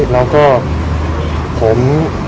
แล้วก็ผม